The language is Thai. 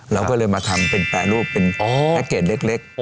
เราก็เลยมาทำเป็นแปรรูปเป็นแพ็คเกจเล็ก